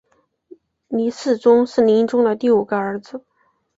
黎世宗是黎英宗的第五个儿子。